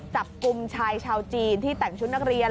จับกลุ่มชายชาวจีนที่แต่งชุดนักเรียน